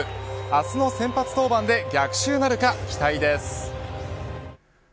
明日の先発登板で逆襲なるか期待です。